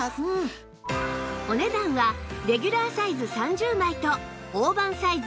お値段はレギュラーサイズ３０枚と大判サイズ